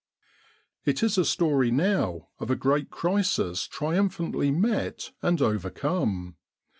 It is a story now of a great crisis triumphantly met and overcome.